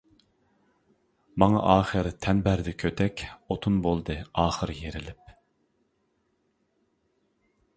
ماڭا ئاخىر تەن بەردى كۆتەك، ئوتۇن بولدى ئاخىر يېرىلىپ.